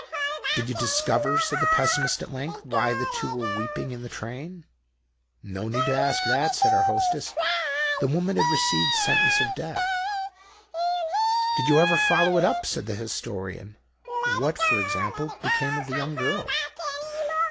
"Did you discover," said the Pessimist at length, "why the two were weeping in the train?" "No need to ask that," said our Hostess. "The woman had received sentence of death." "Did you ever follow it up?" said the Historian. "What, for example, became of the young girl?"